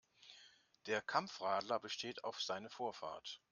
Der Kampfradler besteht auf seine Vorfahrt.